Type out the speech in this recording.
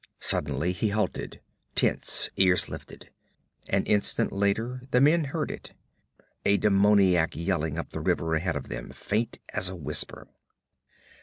Suddenly he halted, tense, ears lifted. An instant later the men heard it a demoniac yelling up the river ahead of them, faint as a whisper.